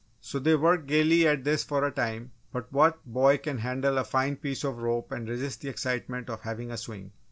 So they worked gaily at this for a time, but what boy can handle a fine piece of rope and resist the excitement of having a swing?